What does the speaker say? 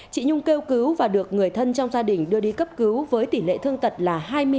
chị nhung kêu cứu và được người thân trong gia đình đưa đi cấp cứu với tỷ lệ thương tật là hai mươi ba